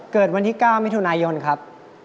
เกิดวันที่๙มิถุนายนครับ